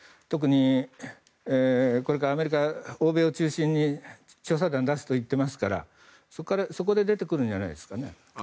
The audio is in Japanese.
特にこれからアメリカ、欧米を中心に調査団を出すと言っていますからそこで出てくるんじゃないですかね。